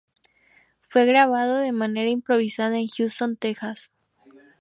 Fue grabado de manera improvisada en Houston, Texas.